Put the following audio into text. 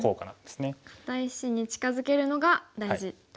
堅い石に近づけるのが大事ということ。